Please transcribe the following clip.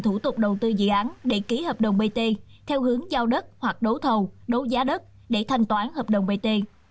thủ tục đầu tư dự án để ký hợp đồng bt theo hướng giao đất hoặc đấu thầu đấu giá đất để thanh toán hợp đồng bt